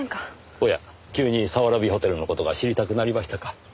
おや急に早蕨ホテルの事が知りたくなりましたか？